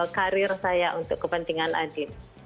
karir saya untuk kepentingan adit